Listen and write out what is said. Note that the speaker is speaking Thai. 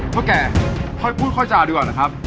พวกแกพอพูดค่อยจ่าดีกว่านะครับ